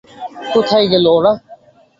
কোথায় গেলো ওরা?